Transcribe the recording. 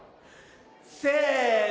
せの。